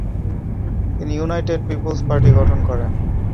তিনি ইউনাইটেড পিপুলস্ পার্টি গঠন করেন।